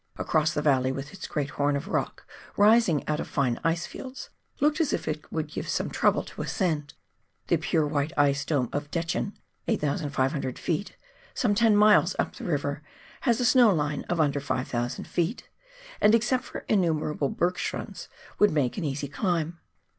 across the valley, with its great horn of rock rising out of fine ice fields, looked as if it would give some trouble to ascend ; the pure white ice dome of Dechen (8,500 ft.), some ten miles up the river, has a snow line of under 5,000 ft., and, except for innumerable berg' schrunds, would make an easy climb.